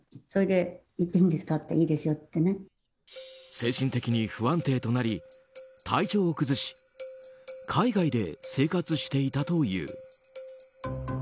精神的に不安定となり体調を崩し海外で生活していたという。